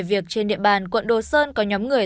việc trên địa bàn quận đồ sơn có nhóm người